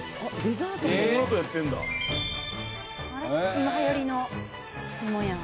今はやりの芋やん。